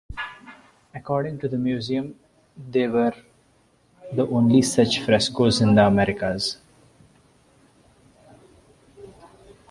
According to the museum, they were the only such frescoes in the Americas.